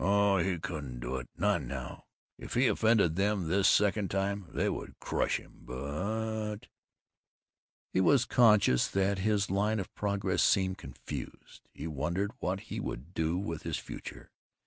"Oh, he couldn't do it, not now. If he offended them this second time, they would crush him. But " He was conscious that his line of progress seemed confused. He wondered what he would do with his future.